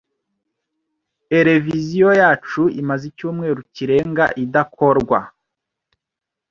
eleviziyo yacu imaze icyumweru kirenga idakorwa.